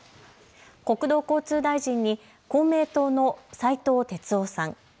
国土交通大臣に公明党の斉藤鉄夫さん。